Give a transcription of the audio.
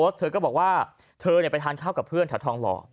เธอก็บอกว่าเธอไปทานข้าวกับเพื่อนแถวทองหล่อ